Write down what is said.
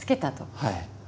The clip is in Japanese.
はい。